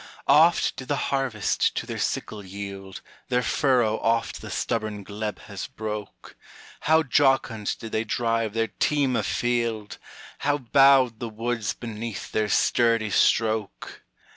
Oft did the harvest to their sickle yield, Their furrow oft the stubborn glebe has broke; How jocund did they drive their team afield! How bowed the woods beneath their sturdy stroke!